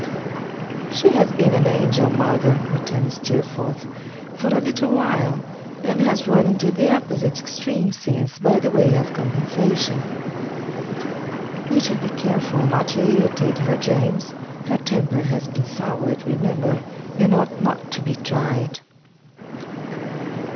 'She has been an angel, mother,' returned Steerforth, 'for a little while; and has run into the opposite extreme, since, by way of compensation.' 'You should be careful not to irritate her, James. Her temper has been soured, remember, and ought not to be tried.